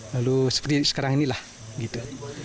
lalu seperti sekarang inilah gitu